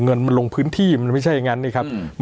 เงินมันลงพื้นที่มันไม่ใช่อย่างนั้นนี่ครับ